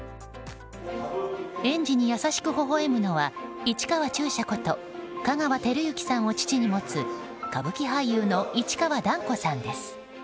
園児に優しくほほ笑むのは市川中車こと香川照之さんを父に持つ歌舞伎俳優の市川團子さんです。